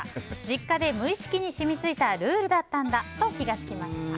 実家で無意識に染みついたルールだったんだと思いました。